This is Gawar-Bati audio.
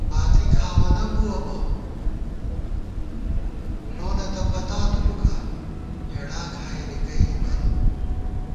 باتی کھاوَنہ بُوَہ بہ، لونہ تہ پَتا دُلُکا، ہېڑا کھائی رِکَئ بالہ